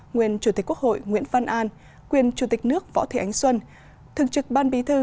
nguyên chủ tịch quốc hội nguyễn văn an nguyên chủ tịch nước võ thị ánh xuân thường trực ban bí thư